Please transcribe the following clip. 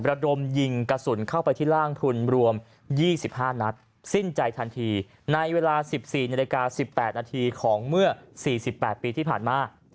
ระดมยิงกระสุนเข้าไปที่ร่างทุนรวมยี่สิบห้านัดสิ้นใจทันทีในเวลาสิบสี่นาฬิกาสิบแปดนาทีของเมื่อสี่สิบแปดปีที่ผ่านมา